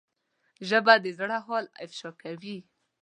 ژبه د زړه حال افشا کوي